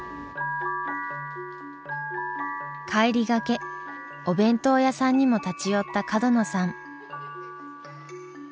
帰りがけお弁当屋さんにも立ち寄った角野さん。